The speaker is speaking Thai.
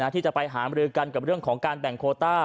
ที่จะไปหามรือกันกับเรื่องของการแบ่งโคต้า